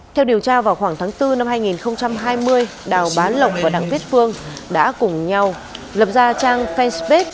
theo điều tra vào khoảng tháng bốn năm hai nghìn hai mươi đào bá lộc và đặng viết phương đã cùng nhau lập ra trang fanpage